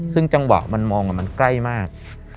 ซึ่งจังหวะมันมองมันใกล้มาก